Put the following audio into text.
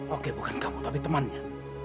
oke bukan kamu tapi temannya